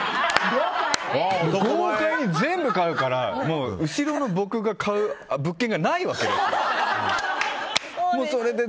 豪快に全部買うから後ろの僕が買う物件がないわけで。